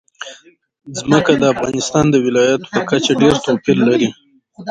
ځمکه د افغانستان د ولایاتو په کچه ډېر توپیر لري.